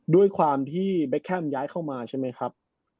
ด้วยความที่เบคแคมป์ย้ายเข้ามาใช่ไหมครับ